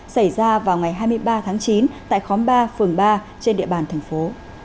xảy ra vào ngày hai mươi ba tháng chín tại khóm ba phường ba trên địa bàn thành phố